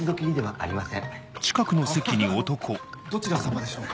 ああのどちら様でしょうか？